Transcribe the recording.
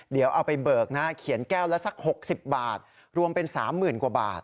เดี๋ยวเอาไปเบิกนะเขียนแก้วละสัก๖๐บาทรวมเป็น๓๐๐๐กว่าบาท